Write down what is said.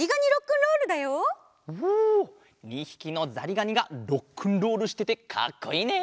２ひきのざりがにがロックンロールしててかっこいいね！